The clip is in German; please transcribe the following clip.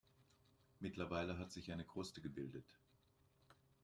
Mittlerweile hat sich eine Kruste gebildet.